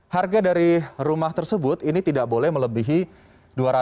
harga dari rumah tersebut ini tidak boleh melebihi dua ratus lima puluh juta rupiah